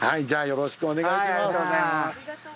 よろしくお願いします。